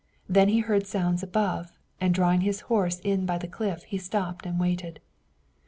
Then he heard sounds above, and drawing his horse in by the cliff he stopped and waited.